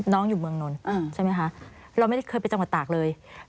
น้องอยู่เมืองนนท์ใช่ไหมคะเราไม่ได้เคยไปจังหวัดตากเลย